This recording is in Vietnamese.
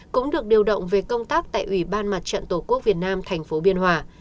cũng được điều động về công tác tại ủy ban mặt trận tổ quốc việt nam tp biên hòa